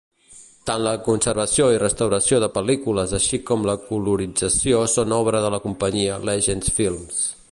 Tant la conservació i restauració de pel·lícules així com la colorització són obra de la companyia Legend Films.